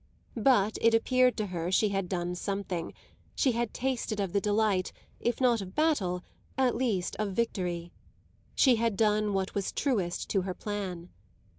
But it appeared to her she had done something; she had tasted of the delight, if not of battle, at least of victory; she had done what was truest to her plan.